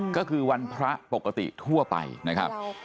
ก็คือวันพระปกติทั่วไปนะครับ